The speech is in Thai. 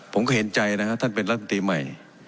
ผมก็เห็นใจนะครับท่านเป็นรัฐมนตรีใหม่